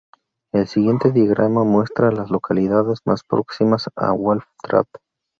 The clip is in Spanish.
El siguiente diagrama muestra a las localidades más próximas a Wolf Trap.